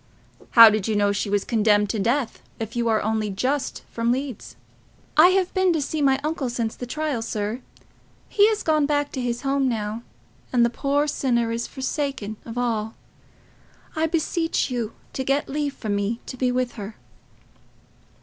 "How did you know she was condemned to death, if you are only just come from Leeds?" "I have seen my uncle since the trial, sir. He is gone back to his home now, and the poor sinner is forsaken of all. I beseech you to get leave for me to be with her."